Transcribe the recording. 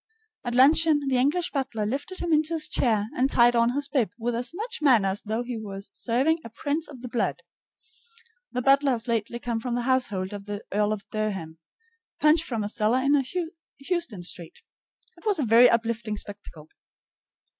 At luncheon the English butler lifted him into his chair and tied on his bib with as much manner as though he were serving a prince of the blood. The butler has lately come from the household of the Earl of Durham, Punch from a cellar in Houston Street. It was a very uplifting spectacle.